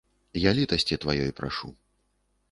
Я літасці тваёй прашу.